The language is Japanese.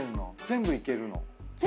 全部いけるの？